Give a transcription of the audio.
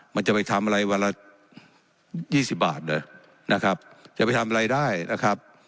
มันจะไปทำอะไรวันละ๒๐บาทเลยนะครับจะไปทำอะไรได้นะครับ